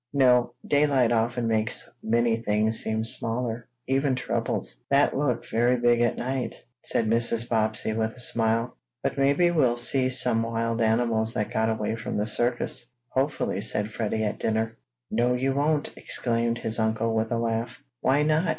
"No, daylight often makes many things seem smaller even troubles, that look very big at night," said Mrs. Bobbsey, with a smile. "But maybe we'll see some wild animals that got away from the circus," hopefully said Freddie at dinner. "No, you won't!" exclaimed his uncle with a laugh. "Why not?"